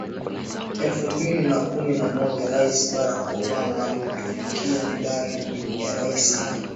elfu mbili na kumi na moja Rais Barack Obama alimtunukia Medali ya Rais ya